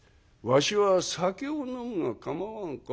「わしは酒を飲むが構わんか？」。